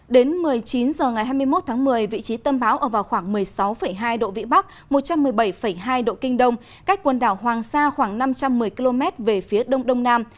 đến một mươi chín h ngày hai mươi một tháng một mươi vị trí tâm bão ở vào khoảng một mươi sáu hai độ vĩ bắc một trăm một mươi bảy hai độ kinh đông cách quần đảo hoàng sa khoảng năm trăm một mươi km về phía đông đông nam